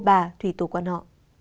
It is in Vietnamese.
đức vua bà thủy tổ quan họ